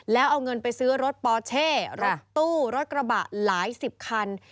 แล้วเอาเงินไปซื้อรถปอเช่รถตู้รถกระบะหลายสิบคัน